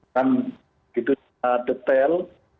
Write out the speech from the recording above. dan itu detail